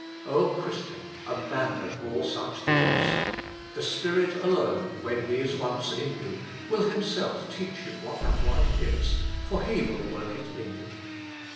Christian, abandon all such thoughts. The Spirit alone, when He is once in you, will Himself teach you what that life is, for He will work it in you.